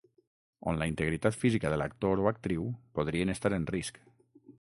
On la integritat física de l'actor o actriu podrien estar en risc.